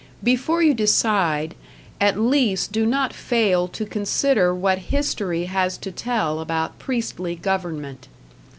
Before you decide, at least do not fail to consider what history has to tell about priestly government.